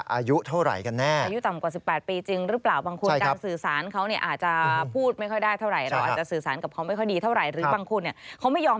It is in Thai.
อายุเท่าไหร่กันแน่